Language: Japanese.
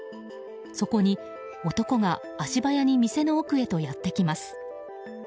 そこに男が足早に店の奥へとやってきます。